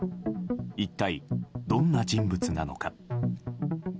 一体、どんな人物なのか。